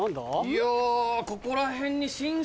いやここら辺に。